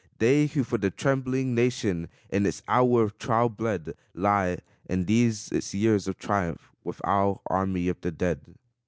They who for the trembling Nation in its hour of trial bled, Lie, in these its years of triumph, with our Army of the Dead.